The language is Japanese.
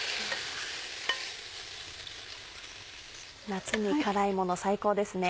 夏に辛いもの最高ですね。